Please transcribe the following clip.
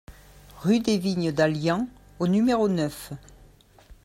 Rue des Vignes d'Allians au numéro neuf